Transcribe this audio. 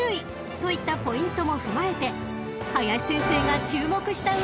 ［といったポイントも踏まえて林先生が注目した馬は？］